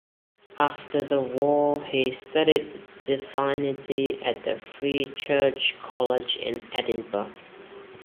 After the war he studied Divinity at the Free Church College in Edinburgh.